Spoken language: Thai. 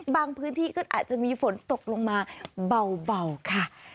พื้นที่ก็อาจจะมีฝนตกลงมาเบาค่ะ